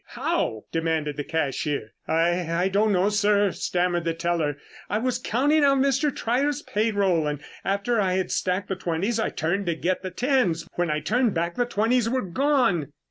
How?" demanded the cashier. "I I don't know, sir," stammered the teller. "I was counting out Mr. Trier's payroll, and after I had stacked the twenties I turned to get the tens. When I turned back the twenties were gone."